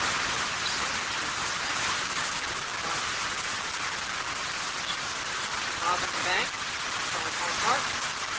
He perceived the canvas bag. Then he remarked, possibly intending to be facetious: "Been robbing the bank? Shall I call a cart?"